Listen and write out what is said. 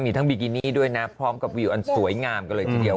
มีทั้งบิกินี่ด้วยนะพร้อมกับวิวอันสวยงามกันเลยทีเดียว